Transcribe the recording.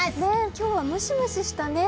今日はムシムシしたね。